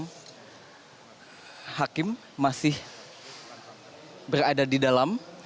karena hakim masih berada di dalam